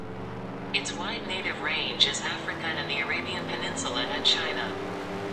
Its wide native range is Africa and the Arabian Peninsula and China.